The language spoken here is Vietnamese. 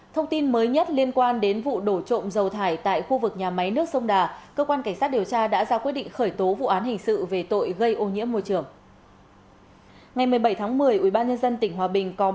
thông tin mới nhất liên quan đến vụ đổ trộm dầu thải tại khu vực nhà máy nước sông đà cơ quan cảnh sát điều tra đã ra quyết định khởi tố vụ án hình sự về tổ chức